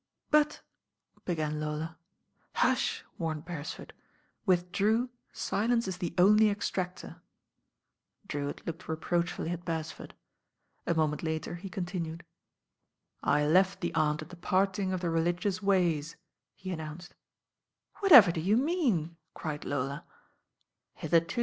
'* "But " began Lola. "Hush I" warned Beresford. "With Drew silence is the only extractor." Drewitt looked reproachfully at Beresford. A moment later he continued. "I left the 'Aunt at the parting of the religious ways," he announced. "Whatever do you mean?" cried Lola.